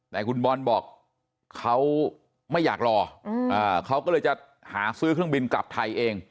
แต่คุณบอลบอกเขาไม่อยากรอเขาก็เลยจะหาซื้อเครื่องบินกลับไทยเอง